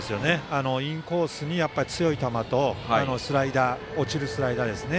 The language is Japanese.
インコースに強い球と落ちるスライダーですね。